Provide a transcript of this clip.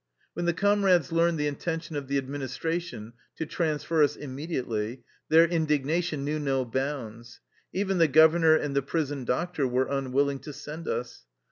When the comrades learned the intention of the administration to transfer us immediately their indignation knew no bounds. Even the governor and the prison doctor were unwilling to send us.